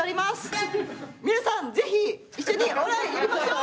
皆さんぜひ一緒にお笑いやりましょう！